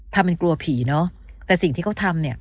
ทำเป็นกลัวผีเนอะแต่สิ่งที่เขาทำเนี่ย